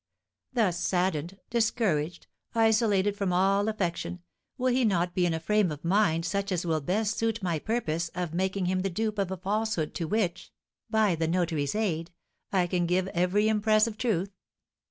Thus, saddened, discouraged, isolated from all affection, will he not be in a frame of mind such as will best suit my purpose of making him the dupe of a falsehood to which, by the notary's aid, I can give every impress of truth?